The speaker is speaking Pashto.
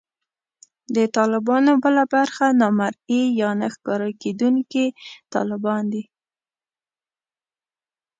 د طالبانو بله برخه نامرئي یا نه ښکارېدونکي طالبان دي